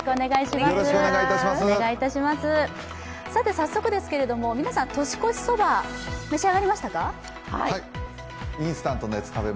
早速ですけども、皆さん、年越しそば、召し上がりましたか？